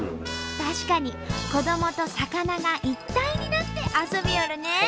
確かに子どもと魚が一体になって遊びよるね。